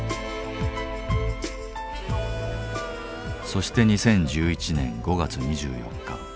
そして２０１１年５月２４日。